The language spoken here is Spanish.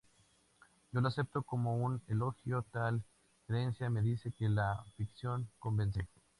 Yo lo acepto como un elogio: tal creencia me dice que la ficción convence".